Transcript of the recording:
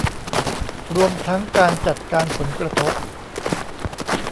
รวมทั้งการจัดการผลกระทบ